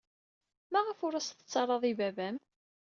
Maɣef ur as-tettarraḍ i baba-m?